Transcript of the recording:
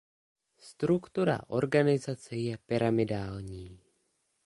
Struktura organizace je pyramidální.